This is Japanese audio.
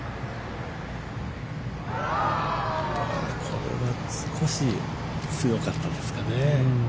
これは少し強かったですかね。